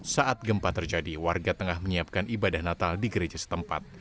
saat gempa terjadi warga tengah menyiapkan ibadah natal di gereja setempat